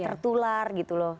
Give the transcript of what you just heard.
tertular gitu loh